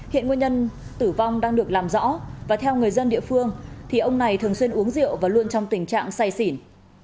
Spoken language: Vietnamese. hiện nguyên nhân tử vong đang được làm rõ và theo người dân địa phương thì ông này thường xuyên uống rượu và luôn trong tình trạng say xỉn